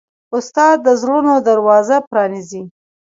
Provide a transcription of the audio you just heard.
استاد د زړونو دروازه پرانیزي.